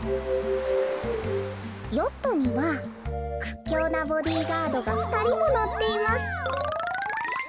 「ヨットにはくっきょうなボディーガードがふたりものっています」。